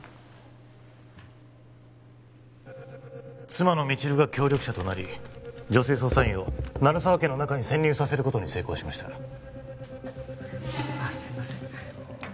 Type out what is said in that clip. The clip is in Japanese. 妻の未知留が協力者となり女性捜査員を鳴沢家の中に潜入させることに成功しましたああすいません